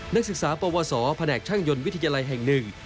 นักศึกษาปวสแผนกช่างยนต์วิทยาลัยแห่งหนึ่ง